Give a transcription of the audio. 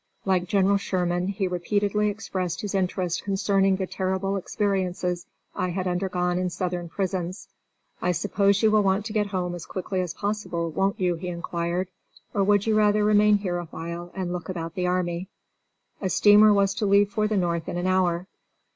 Like General Sherman, he repeatedly expressed his interest concerning the terrible experiences I had undergone in Southern prisons. "I suppose you will want to get home as quickly as possible, won't you?" he inquired, "or would you rather remain here awhile and look about the army?" A steamer was to leave for the North in an hour.